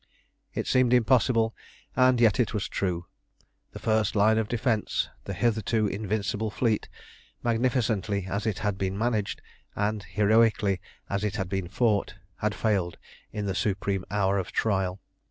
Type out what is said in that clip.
It seemed impossible, and yet it was true. The first line of defence, the hitherto invincible fleet, magnificently as it had been managed, and heroically as it had been fought, had failed in the supreme hour of trial.